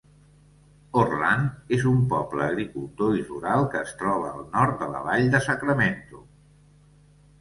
Orland és un poble agricultor i rural que es troba al nord de la vall de Sacramento.